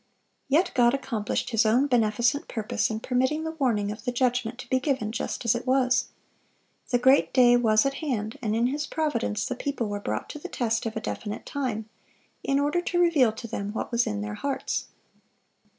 Yet God accomplished His own beneficent purpose in permitting the warning of the judgment to be given just as it was. The great day was at hand, and in His providence the people were brought to the test of a definite time, in order to reveal to them what was in their hearts.